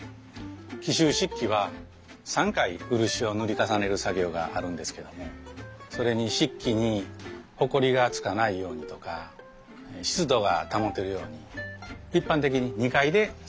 紀州漆器は３回漆を塗り重ねる作業があるんですけどもそれに漆器にほこりがつかないようにとか湿度が保てるように一般的に２階で作業をしていたんです。